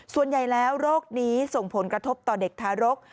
ส่วนใหญ่แล้วโรคนี้ส่งผลกระทบต่อเด็กทารก